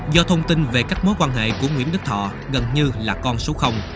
do thông tin về các mối quan hệ của nguyễn đức thọ gần như là con số